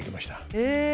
へえ。